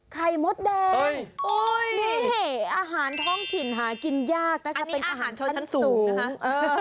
ไข่มดแดงอาหารท่องถิ่นหากินยากนะคะเป็นอาหารช้อนชั้นสูง